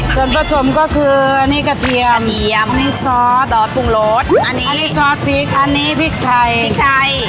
คุณผู้ชมก็คืออันนี้กระเทียม